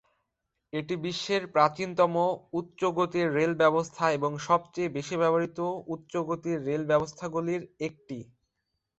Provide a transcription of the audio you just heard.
এটি বিশ্বের প্রাচীনতম উচ্চ-গতির রেল ব্যবস্থা এবং সবচেয়ে বেশি ব্যবহৃত উচ্চ-গতির রেল ব্যবস্থাগুলির একটি।